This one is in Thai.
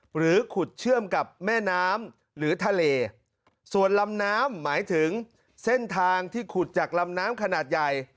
หรือทะเลส่วนลำน้ำหมายถึงเส้นทางที่ขุดจากลำน้ำขนาดใหญ่